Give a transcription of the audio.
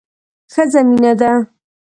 ښځه مينه ده